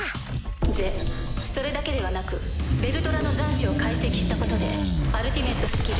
是それだけではなくヴェルドラの残滓を解析したことでアルティメットスキル